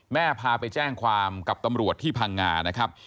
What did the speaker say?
พาไปแจ้งความกับตำรวจที่พังงานะครับ